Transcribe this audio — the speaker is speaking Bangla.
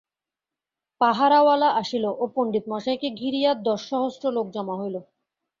পাহাড়াওয়ালা আসিল ও পণ্ডিতমহাশয়কে ঘিরিয়া দশ সহস্র লোক জমা হইল।